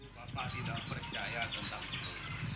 bapak tidak percaya tentang itu